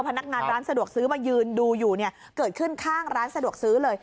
พนักงานร้านสะดวกซื้อมายืนดูอยู่เนี่ยเกิดขึ้นข้างร้านสะดวกซื้อเลย